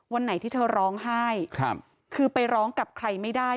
วันไหนที่เธอร้องไห้คือไปร้องกับใครไม่ได้